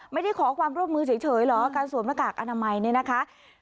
ไม่ได้ขอความร่วมมือเฉยเหรอการสวมหน้ากากอนามัยเนี่ยนะคะ